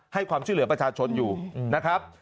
ความช่วยเหลือประชาชนอยู่นะครับ